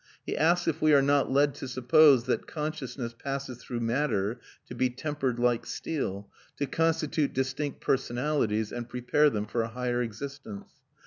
He asks if we are not "led to suppose" that consciousness passes through matter to be tempered like steel, to constitute distinct personalities, and prepare them for a higher existence.